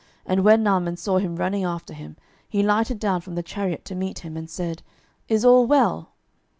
And when Naaman saw him running after him, he lighted down from the chariot to meet him, and said, Is all well?